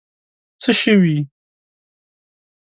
څه شوي؟